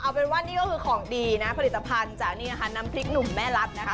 เอาเป็นว่านี่ก็คือของดีนะผลิตภัณฑ์จากนี่นะคะน้ำพริกหนุ่มแม่รัฐนะคะ